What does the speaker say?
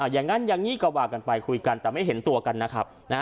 อย่างนั้นอย่างนี้ก็ว่ากันไปคุยกันแต่ไม่เห็นตัวกันนะครับ